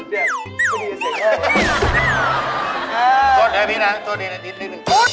โทษนะพี่น้ำโทษนะนิดหนึ่งโทษ